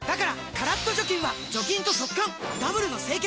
カラッと除菌は除菌と速乾ダブルの清潔！